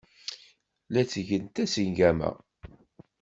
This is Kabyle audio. La ttgent tasengama.